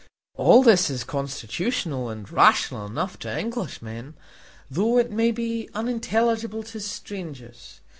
All this is constitutional, and rational enough to Englishmen, though it may be unintelligible to strangers.